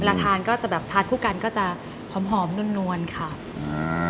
ทานก็จะแบบทานคู่กันก็จะหอมหอมนวนนวลค่ะอ่า